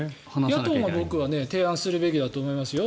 野党が提案するべきだと思いますよ。